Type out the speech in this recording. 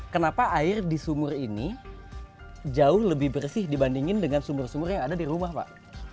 kenapa air di sumur ini jauh lebih bersih dibandingin dengan sumur sumur yang ada di rumah pak